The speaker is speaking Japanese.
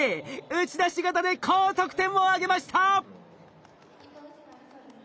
打ち出し型で高得点を挙げました！